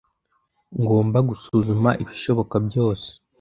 Ngomba gusuzuma ibishoboka byose.